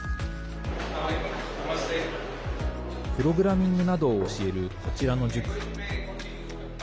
プログラミングなどを教えるこちらの塾。